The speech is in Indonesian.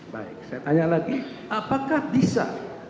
baik saya tanya lagi apakah bisa